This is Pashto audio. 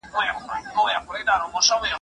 کي شیشنی سو